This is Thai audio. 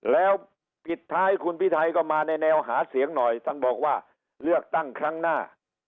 แล้วปิดท้ายคุณพิทาก็มาในแนวหาเสียงหน่อยท่านบอกว่าเลือกตั้งครั้งหน้า